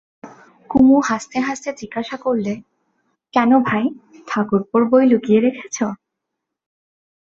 কুমু হাসতে হাসতে জিজ্ঞাসা করলে, কেন ভাই, ঠাকুরপোর বই লুকিয়ে রেখেছ?